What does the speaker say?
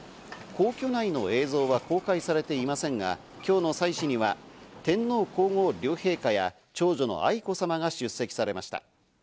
皇居内の映像は公開されていませんが、今日の祭祀には天皇皇后両陛下や長女の愛子さまが出席されました。